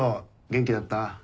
元気だった？